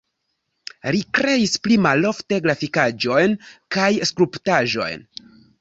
Li kreis pli malofte grafikaĵojn kaj skulptaĵojn.